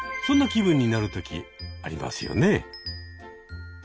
そんな気分になるときありますよね？